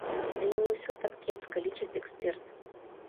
Але не ўсё так кепска, лічыць эксперт.